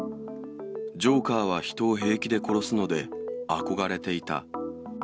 ジョーカーは人を平気で殺すので、憧れていた。